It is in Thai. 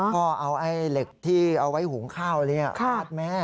พ่อเอาไอ้เหล็กที่เอาไว้หุงข้าวฟาดแม่